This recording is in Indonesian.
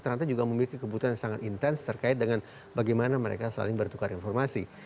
ternyata juga memiliki kebutuhan yang sangat intens terkait dengan bagaimana mereka saling bertukar informasi